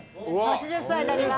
８０歳になります。